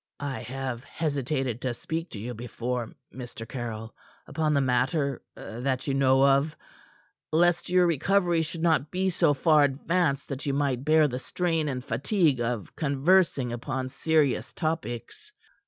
"I have hesitated to speak to you before, Mr. Caryll, upon the matter that you know of, lest your recovery should not be so far advanced that you might bear the strain and fatigue of conversing upon serious topics.